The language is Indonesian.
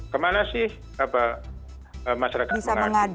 kemana sih masyarakat mengadu